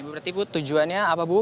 berarti ibu tujuannya apa ibu